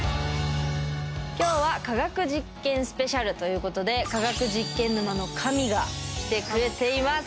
今日は「科学実験スペシャル」ということで科学実験沼の神が来てくれています。